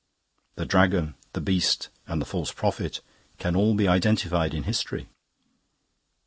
"The Dragon, the Beast, and the False Prophet can all be identified in history.